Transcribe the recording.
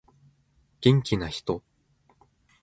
元気な人